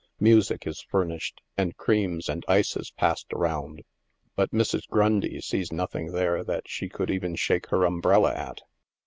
Music is famished, and creams and ices passed around. But Mrs. Grundy see3 nothing there that she could even shake her umbrella at.